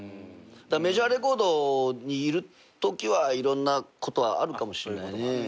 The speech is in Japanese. メジャーレコードにいるときはいろんなことはあるかもしれない。